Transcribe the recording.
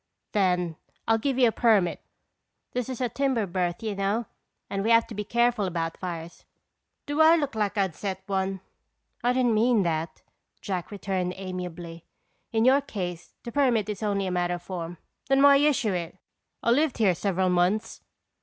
"Then I'll give you a permit. This is a timber berth, you know and we have to be careful about fires." "Do I look like I'd set one?" "I didn't mean that," Jack returned amiably. "In your case the permit is only a matter of form." "Then why issue it? I lived here several months."